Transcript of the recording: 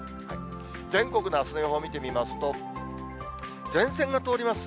全国のあすの予報を見てみますと、前線が通ります。